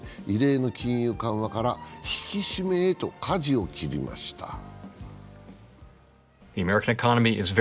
異例の金融緩和から引き締めへとかじを切りました。